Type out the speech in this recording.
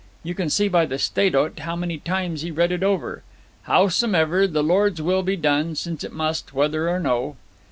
You can see by the state o't how many times he read it over. Howsomever, the Lord's will be done, since it must, whether or no.'